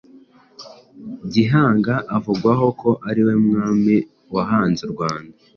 Gihanga avugwaho ko ari we mwami wahanze u Rwanda,